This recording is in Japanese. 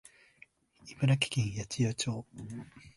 茨城県八千代町